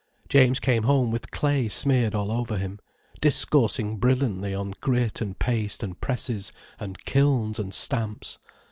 James came home with clay smeared all over him, discoursing brilliantly on grit and paste and presses and kilns and stamps.